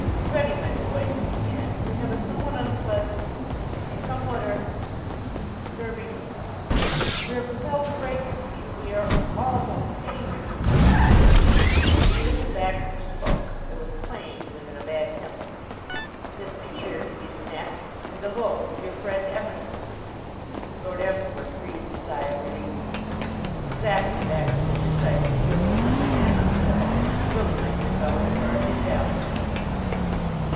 "Freddie, my boy," he began, "we have a somewhat unpleasant a somewhat er disturbing We are compelled to break it to you. We are all most pained and astounded; and " The Efficient Baxter spoke. It was plain he was in a bad temper. "Miss Peters," he snapped, "has eloped with your friend Emerson." Lord Emsworth breathed a sigh of relief. "Exactly, Baxter. Precisely! You have put the thing in a nutshell. Really, my dear fellow, you are invaluable."